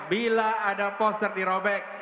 bila ada poster dirobek